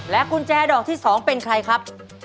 กุญแจดอกที่๒เป็นใครครับ